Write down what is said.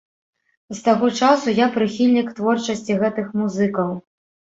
З таго часу я прыхільнік творчасці гэтых музыкаў.